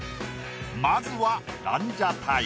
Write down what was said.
まずはランジャタイ。